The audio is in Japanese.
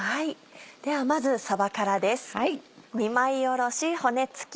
ではまずさばからです。